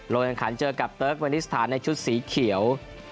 ลงแข่งขันเจอกับเติร์กเวนิสถานในชุดสีเขียว